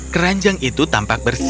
kerenjang itu tampak bersih